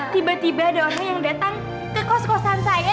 tiba tiba ada orang yang datang ke kos kosan saya